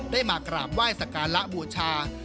ได้มากราบไหว้สการะบูชา